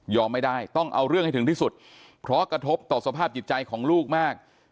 ไม่ได้ต้องเอาเรื่องให้ถึงที่สุดเพราะกระทบต่อสภาพจิตใจของลูกมาก